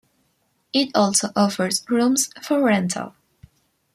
It also offers rooms for rental.